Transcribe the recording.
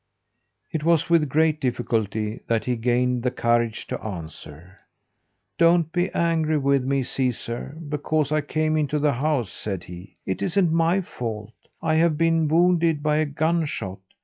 It was with great difficulty that he gained the courage to answer. "Don't be angry with me, Caesar, because I came into the house!" said he. "It isn't my fault. I have been wounded by a gunshot.